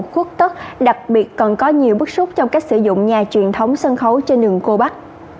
khuất tất đặc biệt còn có nhiều bức xúc trong cách sử dụng nhà truyền thống sân khấu trên đường cô bắc